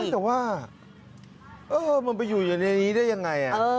แต่ว่ามันไปอยู่อยู่ในนี้ได้ยังไง